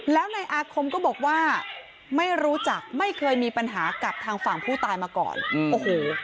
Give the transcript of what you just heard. แล้วในอาคมก็บอกว่าไม่รู้จักไม่เคยมีปัญหากับทางฝั่งผู้ตายมาก่อนโอ้โห